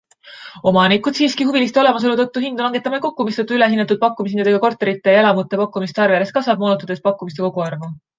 Omanikud siiski huviliste olemasolu tõttu hindu langetama ei kuku, mistõttu ülehinnatud pakkumishindadega korterite ja elamute pakkumiste arv järjest kasvab, moonutades pakkumiste koguarvu.